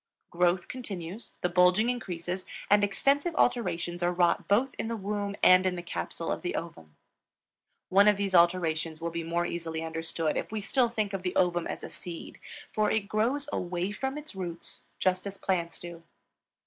Growth continues, the bulging increases, and extensive alterations are wrought both in the womb and in the capsule of the ovum. One of these alterations will be more easily understood if we still think of the ovum as a seed, for it grows away from its roots just as plants do.